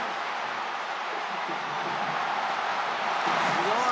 すごい。